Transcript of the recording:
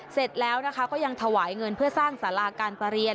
เสร็จแล้วนะคะก็ยังถวายเงินเพื่อสร้างสาราการประเรียน